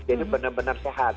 jadi benar benar sehat